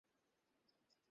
এখন সব শেষ।